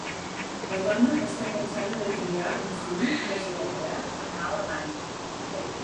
La dona està cansada de criar un fill que esdevindrà un mal amant.